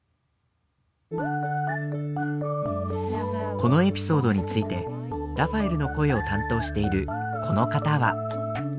このエピソードについてラファエルの声を担当しているこの方は。